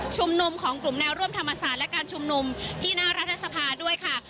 มุมของกลุ่มแนวร่วมธรรมศาสตร์และการชุมนุมที่หน้ารัฐสภาด้วยค่ะ